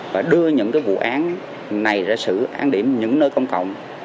và đưa những vụ án này ra xử an điểm những nơi công cộng